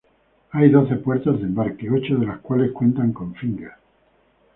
Hay doce puertas de embarque, ocho de las cuales cuentan con finger.